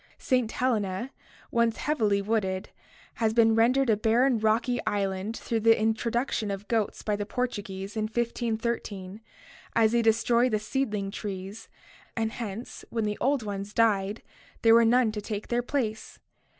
St. Helena, once heavily wooded, has been rendered a barren rocky island through the introduction of goats by the Portuguese in 1513, as they destroy the seedling trees and hence when the old ones died there were none to take their place.